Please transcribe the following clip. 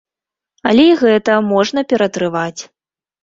Але і гэта можна ператрываць.